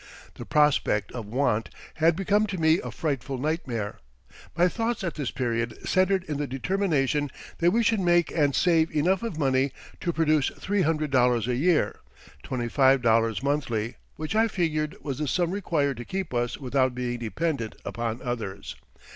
The prospect of want had become to me a frightful nightmare. My thoughts at this period centered in the determination that we should make and save enough of money to produce three hundred dollars a year twenty five dollars monthly, which I figured was the sum required to keep us without being dependent upon others.